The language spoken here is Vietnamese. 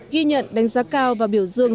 ghi nhận đánh giá cao và biểu dương